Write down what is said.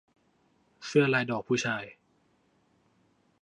เสื้อลายดอกผู้ชาย